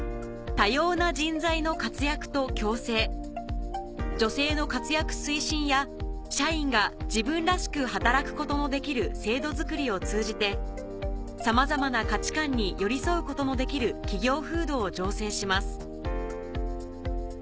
３つ目は女性の活躍推進や社員が自分らしく働くことのできる制度作りを通じてさまざまな価値観に寄り添うことのできる企業風土を醸成します